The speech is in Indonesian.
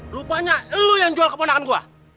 rupanya lu yang jual keponakan gue